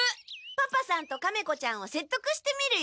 パパさんとカメ子ちゃんをせっとくしてみるよ。